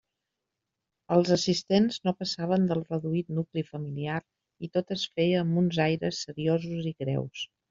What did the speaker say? Els assistents no passaven del reduït nucli familiar i tot es feia amb uns aires seriosos i greus.